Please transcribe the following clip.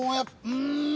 うん。